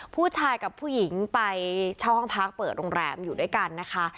ผู้ชายกับผู้หญิงไปเช่าห้องพักเปิดโรงแรมอยู่ด้วยกันนะคะ